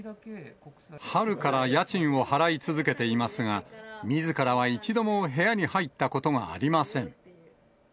春から家賃を払い続けていますが、みずからは一度も部屋に入ったことがありません。